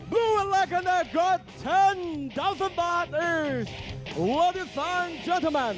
บลูแลนด์แรดคอร์เนอร์ได้๑๐๐๐๐บาทคุณผู้หญิงคุณผู้หญิง